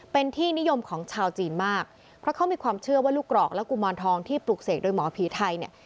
เป็นที่นิยมของชาวจีนมากเพราะเขามีความเชื่อว่าลูกกรอกและกุมารทองที่ปลูกเสกโดยหมอผีไทยเนี่ย